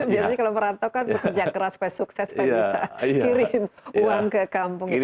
biasanya kalau perantau kan bekerja keras sukses bisa kirim uang ke kampung